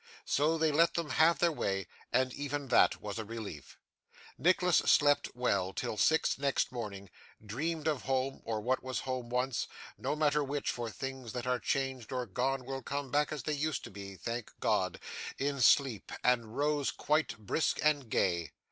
So, they let them have their way, and even that was a relief. Nicholas slept well till six next morning; dreamed of home, or of what was home once no matter which, for things that are changed or gone will come back as they used to be, thank God! in sleep and rose quite brisk and gay.